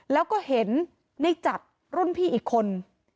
แล้วก็เห็นในจัดรุ่นพี่อีกคน